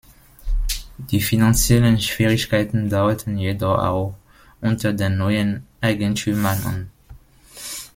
Die finanziellen Schwierigkeiten dauerten jedoch auch unter den neuen Eigentümern an.